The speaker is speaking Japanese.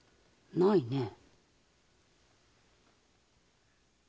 ないねえ。